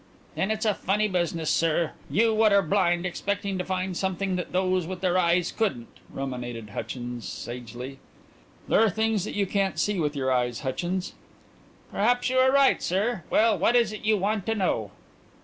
"Then it's a funny business, sir you what are blind expecting to find something that those with their eyes couldn't," ruminated Hutchins sagely. "There are things that you can't see with your eyes, Hutchins." "Perhaps you are right, sir. Well, what is it you want to know?"